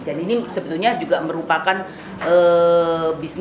jadi ini sebetulnya juga merupakan menampung ini